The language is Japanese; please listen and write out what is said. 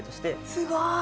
すごい。